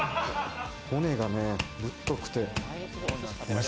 骨がね、ぶっとくて。